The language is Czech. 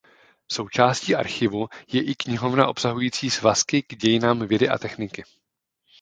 Součástí archivu je i knihovna obsahující svazky k dějinám vědy a techniky.